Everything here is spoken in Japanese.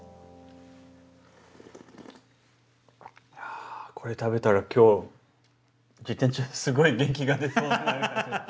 あこれ食べたら今日自転車すごい元気が出そう。